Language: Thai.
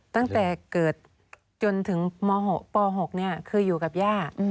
ตั้งแต่เกิดจนถึงม๖ป๖คืออยู่กับย่า